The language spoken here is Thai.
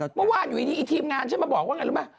ไม่รู้เมื่อวานอยู่นี่อีทีมงานใช่ให้มาบอกว่าแบบไงรู้ไหม